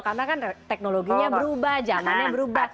karena kan teknologinya berubah zamannya berubah